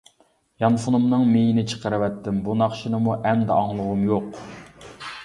يانفونۇمنىڭ مېيىنى چىقىرىۋەتتىم، بۇ ناخشىنىمۇ ئەمدى ئاڭلىغۇم يوق!